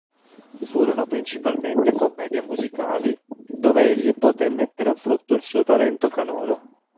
Furono principalmente commedie musicali, dove egli poté mettere a frutto il suo talento canoro.